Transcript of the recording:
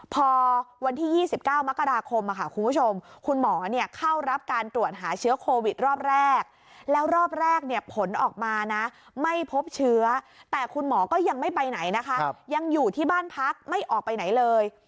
พอวันที่๒๙มกราคมคุณผู้ชมคุณหมอเข้ารับการตรวจหาเชื้อโควิดรอบแรกแล้วรอบแรกเนี่ยผลออกมานะไม่พบเชื้อแต่คุณหมอก็ยังไม่ไปไหนนะคะยังอยู่ที่บ้านพักไม่ออกไปไหนเลย